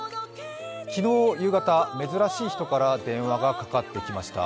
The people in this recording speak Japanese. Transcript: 昨日夕方、珍しい人から電話がかかってきました。